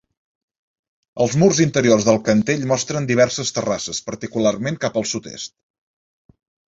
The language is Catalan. Els murs interiors del cantell mostren diverses terrasses, particularment cap al sud-est.